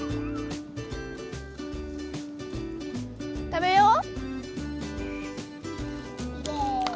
食べよう。